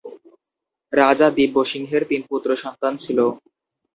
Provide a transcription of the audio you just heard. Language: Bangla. রাজা দিব্য সিংহের তিন পুত্র সন্তান ছিল।